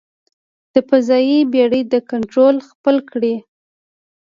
د فضايي بېړۍ کنټرول خپل کړي.